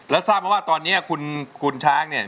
แล้วทราบมาว่าตอนนี้คุณช้างเนี่ย